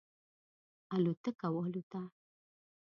الوتکه والوته.